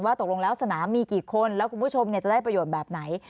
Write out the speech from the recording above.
ตกลงแล้วสนามมีกี่คนแล้วคุณผู้ชมจะได้ประโยชน์แบบไหน